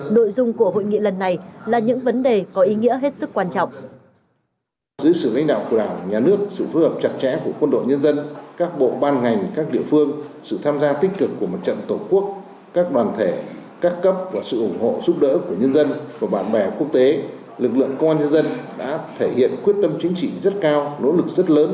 đội dung của hội nghị lần này là những vấn đề có ý nghĩa hết sức quan trọng